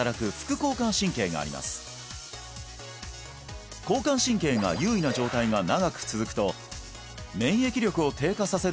交感神経が優位な状態が長く続くと免疫力を低下させる